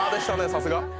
さすが。